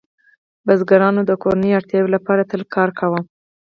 بزګرانو د کورنیو اړتیاوو لپاره تل کار کاوه.